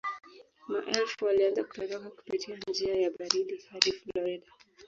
Maelfu walianza kutoroka kupitia njia ya maji hadi Florida